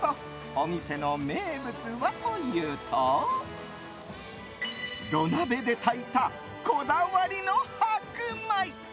お店の名物はというと土鍋で炊いた、こだわりの白米。